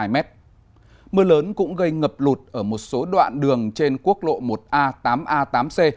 mưa lớn cũng gây ngập lụt ở một số đoạn đường trên quốc lộ một a tám a tám c